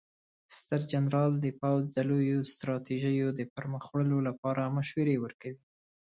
ستر جنرال د پوځ د لویو ستراتیژیو د پرمخ وړلو لپاره مشورې ورکوي.